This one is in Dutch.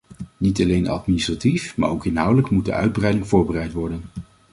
Niet alleen administratief, maar ook inhoudelijk moet de uitbreiding voorbereid worden.